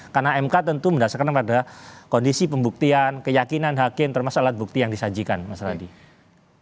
karena mk tentu berdasarkan pada kondisi pembuktian keyakinan hakim termasuk alat bukti yang disajikan mas radie